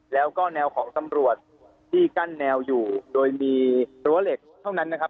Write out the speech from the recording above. แล้วก็แนวของตำรวจที่กั้นแนวอยู่โดยมีรั้วเหล็กเท่านั้นนะครับ